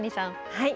はい。